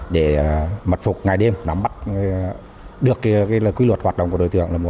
để mật phục ngày đêm nắm bắt được quy luật hoạt động của đối tượng